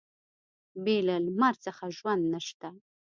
بې له لمر څخه ژوند نشته.